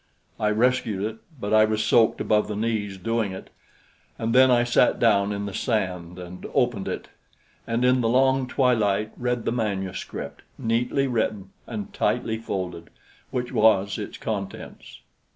I rescued it, but I was soaked above the knees doing it; and then I sat down in the sand and opened it, and in the long twilight read the manuscript, neatly written and tightly folded, which was its contents.